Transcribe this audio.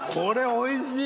おいしい。